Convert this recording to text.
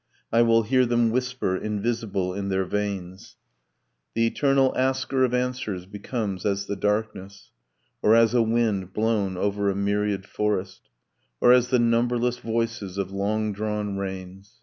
I will hear them whisper, invisible in their veins ...' The eternal asker of answers becomes as the darkness, Or as a wind blown over a myriad forest, Or as the numberless voices of long drawn rains.